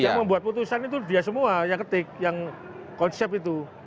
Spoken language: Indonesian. yang membuat putusan itu dia semua yang ketik yang konsep itu